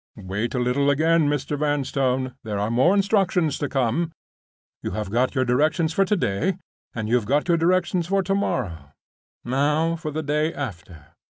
"Wait a little again, Mr. Vanstone. There are more instructions to come. You have got your directions for to day, and you have got your directions for to morrow. Now for the day after.